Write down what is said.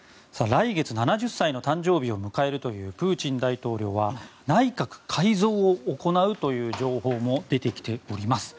来月、７０歳の誕生日を迎えるというプーチン大統領は内閣改造を行うという情報も出てきております。